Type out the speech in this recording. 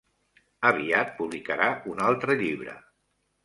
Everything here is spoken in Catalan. Aviat publicarà un altre llibre.